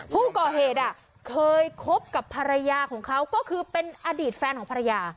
ผู้ก่อเหตุเคยคบกับภรรยาของเขาก็คือเป็นอดีตแฟนของภรรยา